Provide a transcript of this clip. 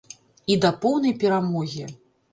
І да поўнай перамогі.